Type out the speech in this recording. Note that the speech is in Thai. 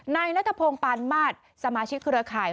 ในณฑโพงปานมาติสมาชิกคุณระข่าย